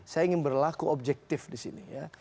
saya ingin berlaku objektif di sini ya